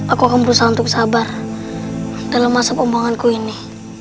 aku akan berusaha untuk sabar dalam masa pembuanganku ini